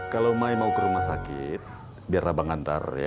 kalau mai mau ke rumah sakit biar abang antar